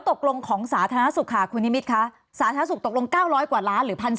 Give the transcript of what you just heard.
ตกลงของสาธารณสุขค่ะคุณนิมิตรคะสาธารณสุขตกลง๙๐๐กว่าล้านหรือ๑๔๐